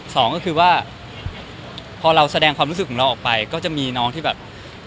สองก็คือว่าพอเราแสดงความรู้สึกของเราออกไปก็จะมีน้องที่แบบ